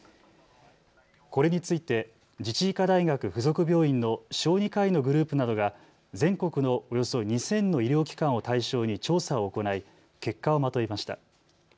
これについて自治医科大学附属病院の小児科医のグループなどが全国のおよそ２０００の医療機関を対象に調査を行い結果をまとめました。